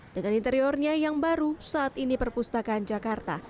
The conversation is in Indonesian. dengan interiornya yang baru saat ini perpustakaan jakarta